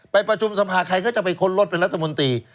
ประชุมสภาใครก็จะไปค้นรถเป็นรัฐมนตรี